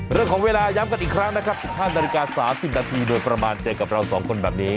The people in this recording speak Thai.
เรื่องของเวลาย้ำกันอีกครั้งนะครับผ่านนาฬิกาสามสิบนาทีโดยประมาณเจกกับเราสองคนแบบนี้